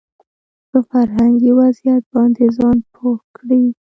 په فرهنګي وضعيت باندې ځان پوه کړي